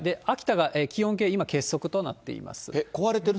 秋田が気温計今、欠測となっています。